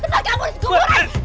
tempat kamu di kuburan